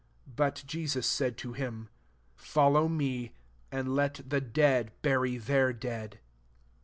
££ But Jesus sfiid to him, ^' Follow me ; and let the dead bury their dead."